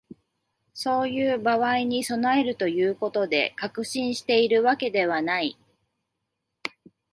そういう場合に備えるということで、確信しているわけではない